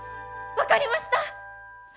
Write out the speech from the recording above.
分かりました！